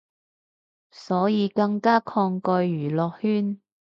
所以更加抗拒娛樂圈